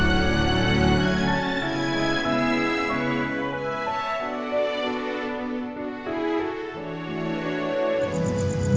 dengan semua kesalahan saya di masa lalu